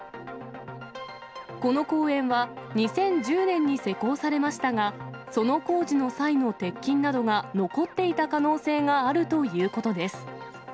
この公園は２０１０年に施工されましたが、その工事の際の鉄筋などが残っていた可能性があるということです。